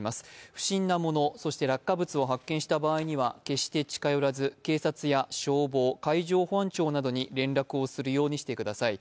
不審なもの、そして落下物を発見した場合は決して近寄らず警察や消防、海上保安庁などに連絡するようにしてください。